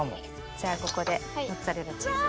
じゃあここでモッツァレラチーズを。